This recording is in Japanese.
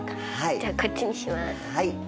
じゃあこっちにします。